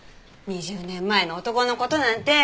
２０年前の男の事なんて。